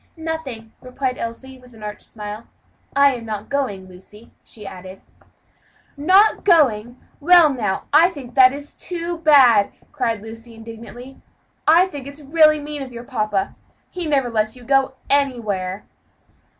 "Nothing," replied Elsie, with an arch smile, "I am not going, Lucy," she added. "Not going! well, now, that is too bad," cried Lucy, indignantly. "I think it's really mean of your papa; he never lets you go anywhere."